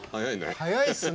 早いですね。